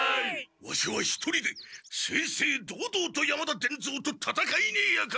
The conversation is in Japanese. ワシは一人で正々堂々と山田伝蔵とたたかいに行く！